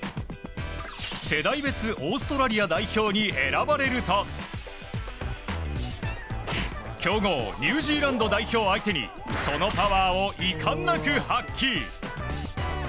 世代別オーストラリア代表に選ばれると強豪ニュージーランド代表相手にそのパワーをいかんなく発揮。